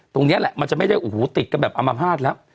ตรงนี้แหละมันจะไม่ได้โอ้โหติดกันแบบอมภาษณ์แล้ว